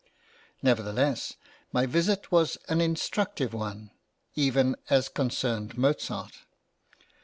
Nevertheless, my visit was an instructive one even as concerned Mozart.